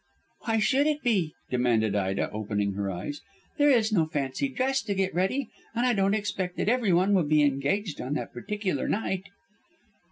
"Why should it be?" demanded Ida, opening her eyes. "There is no fancy dress to get ready, and I don't expect that everyone will be engaged on that particular night."